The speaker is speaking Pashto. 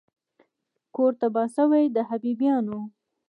کور تباه سوی د حبیبیانو